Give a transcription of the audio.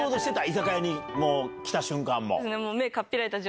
居酒屋に来た瞬間も。